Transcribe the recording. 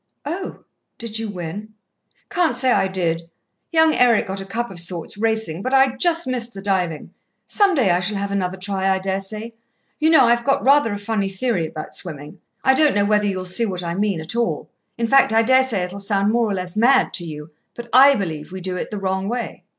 "Oh, did you win?" "Can't say I did. Young Eric got a cup of sorts, racing, but I just missed the diving. Some day I shall have another try, I daresay. You know, I've got rather a funny theory about swimming. I don't know whether you'll see what I mean at all in fact, I daresay it'll sound more or less mad, to you but I believe we do it the wrong way."